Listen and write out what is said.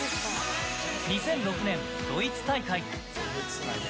２００６年、ドイツ大会。